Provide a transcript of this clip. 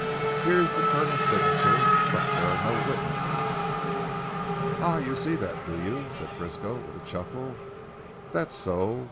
Here is the Colonel's signature, but there are no witnesses." "Ah! you see that do you," said Frisco with a chuckle, "that's so.